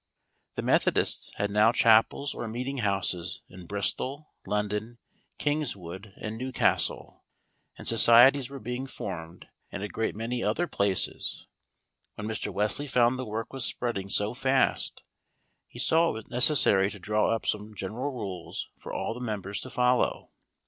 The Methodists had now chapels or meeting houses in Bristol, London, Kingswood, and Newcastle, and societies were being formed in a great many other places. When Mr. Wesley found the work was spreading so fast, he saw it was necessary to draw up some general rules for all the members to follow.